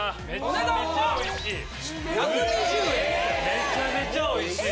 めちゃめちゃおいしい！